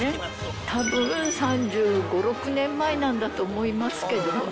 たぶん３５、６年前なんだと思いますけど。